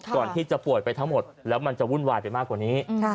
ก่อนที่จะป่วยไปทั้งหมดแล้วมันจะวุ่นวายไปมากกว่านี้